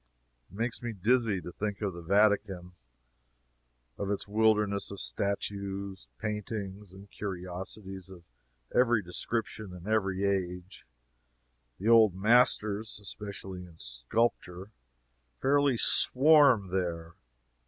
It makes me dizzy, to think of the Vatican of its wilderness of statues, paintings, and curiosities of every description and every age. The "old masters" (especially in sculpture,) fairly swarm, there.